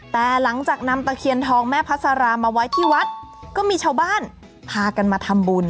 แต่หลังจากนำตะเคียนทองแม่พัสรามาไว้ที่วัดก็มีชาวบ้านพากันมาทำบุญ